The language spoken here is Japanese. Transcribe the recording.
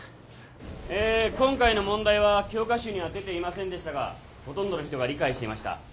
えー今回の問題は教科書には出ていませんでしたがほとんどの人が理解していました。